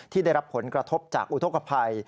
ที่ได้รับผลกระทบจากอุทธกภัย